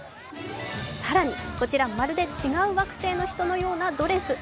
更にこちらまるで違う惑星の人のようなドレス。